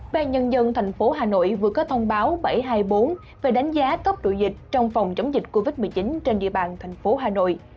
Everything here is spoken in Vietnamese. bàn nhân dân thành phố hà nội vừa có thông báo bảy trăm hai mươi bốn về đánh giá cấp độ dịch trong phòng chống dịch covid một mươi chín trên địa bàn thành phố hà nội